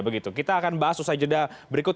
begitu kita akan bahas usai jeda berikut